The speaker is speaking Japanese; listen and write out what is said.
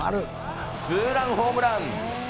ツーランホームラン。